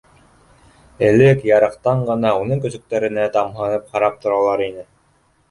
Элек ярыҡтан ғына уның көсөктәренә тамһынып ҡарап торалар ине.